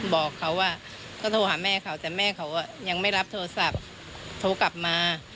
บอกเขาว่าก็โทรหาแม่เขาแต่แม่เขายังไม่รับโทรศัพท์โทรกลับมา